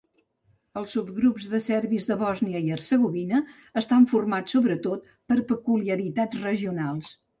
Els subgrups de serbis de Bòsnia i Hercegovina estan formats sobretot per peculiaritats regionals.